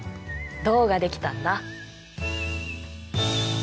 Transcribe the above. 銅ができたんだ。